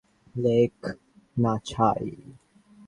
লেখক না ছাই!